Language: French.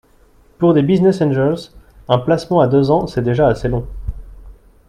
Pour des business angels, un placement à deux ans, c’est déjà assez long.